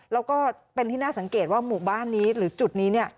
แล้วก็เป็นที่น่าสังเกตว่าหมู่บ้านนี้หรือจุดนี้เนี่ย